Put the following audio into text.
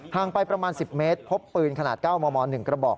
งไปประมาณ๑๐เมตรพบปืนขนาด๙มม๑กระบอก